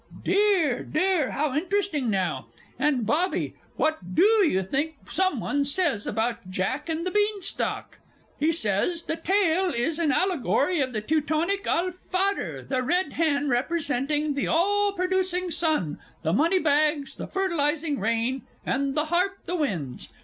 Dear, dear, how interesting, now! and, Bobby, what do you think some one says about Jack and the Beanstalk? He says "This tale is an allegory of the Teutonic Al fader, the red hen representing the all producing sun; the moneybags, the fertilizing rain; and the harp, the winds."